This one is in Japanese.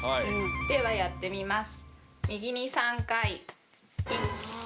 ではやってみます。